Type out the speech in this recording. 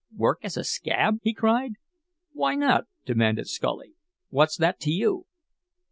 "Work as a scab?" he cried. "Why not?" demanded Scully. "What's that to you?"